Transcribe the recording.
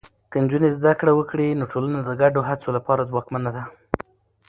که نجونې زده کړه وکړي، نو ټولنه د ګډو هڅو لپاره ځواکمنه ده.